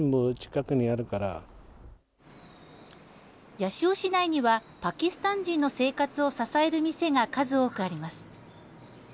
八潮市内にはパキスタン人の生活を支える店が数多くあります。